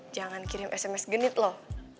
jangan kirim sms genit loh